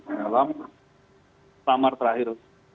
dalam tamar terakhir